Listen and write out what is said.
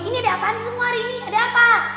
ini ada apaan semua rini ada apa